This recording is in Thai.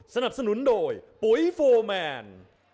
สนับสนุนโดยปุ๋ยโฟร์แมน